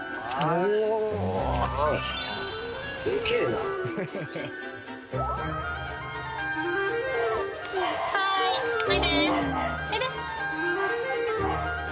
おいで。